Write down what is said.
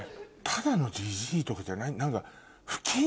ただのジジイとかじゃない。